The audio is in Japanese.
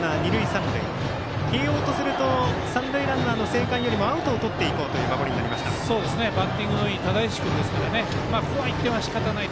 慶応とすると三塁ランナーの生還よりもアウトをとっていこうというバッティングのいい只石君ですからここは１点はしかたない。